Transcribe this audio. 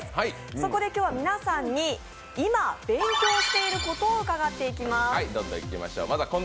そこで今日は皆さんに今勉強していることを伺っていきます。